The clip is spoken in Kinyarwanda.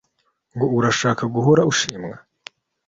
ngo urashaka guhora ushimwa